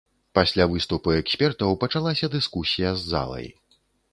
Пасля выступу экспертаў пачалася дыскусія з залай.